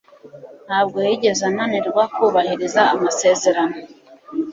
Ntabwo yigeze ananirwa kubahiriza amasezerano.